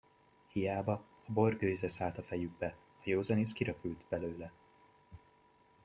Hiába, a bor gőze szállt a fejükbe, a józan ész kiröpült belőle.